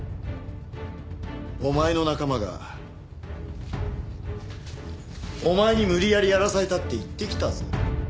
お前の仲間がお前に無理やりやらされたって言ってきたぞ。